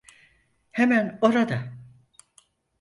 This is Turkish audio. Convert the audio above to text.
Hemen orada.